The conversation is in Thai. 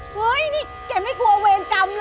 เฮ้ยนี่แกไม่กลัวเวรกรรมเหรอ